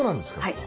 はい。